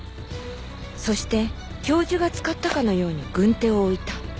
そして教授が使ったかのように軍手を置いた。